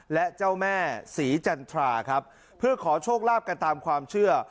และเจ้าแม่ศรีจันทราครับเพื่อขอโชคลาภกันตามความเชื่อ